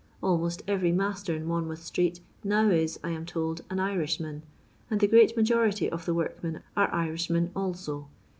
Almost erery master in Hon mouth street now is, I am told, an Irishman ; and the great majority of the workmen are Irishmen also.